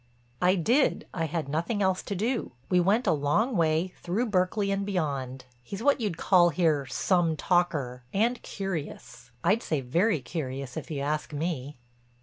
"I did; I had nothing else to do. We went a long way, through Berkeley and beyond. He's what you'd call here 'some talker' and curious—I'd say very curious if you asked me."